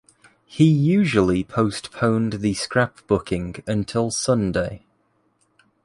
He usually postponed the scrapbooking until Sunday.